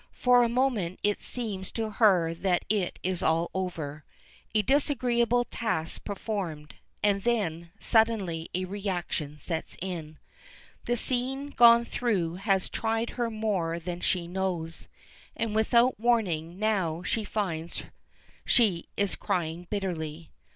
For a moment it seems to her that it is all over a disagreeable task performed, and then suddenly a reaction sets in. The scene gone through has tried her more than she knows, and without warning now she finds she is crying bitterly.